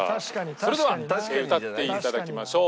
それでは歌って頂きましょう。